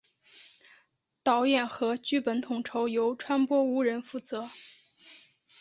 导演和剧本统筹由川波无人负责。